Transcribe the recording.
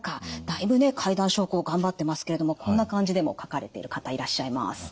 だいぶね階段昇降頑張ってますけれどもこんな感じでも書かれている方いらっしゃいます。